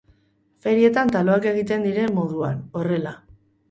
Ferietan taloak egiten diren moduan, horrela.